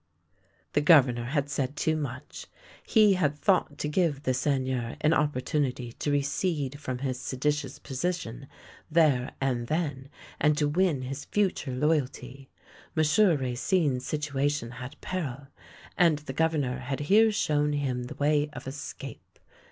The Governor had said too much. He had thought to give the Seigneur an opportunity to recede from his seditious position there and then, and to win his future loyalty. M. Racine's situation had peril ; and the Gov ernor had here shown him the way of escape.